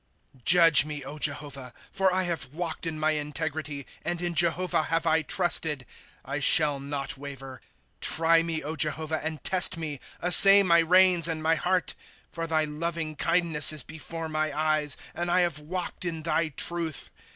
1 Jddge me, Jehovah ; For I have walked in ray integrity. And in Jehovah have I trusted ; I shall not waver. ^ Try me, Jehovah, and test me ; Assay my reins and my heart. ^ Por thy loving kindness is before my eyes ; And I have walked in thy truth.